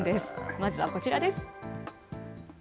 まずはこちらです。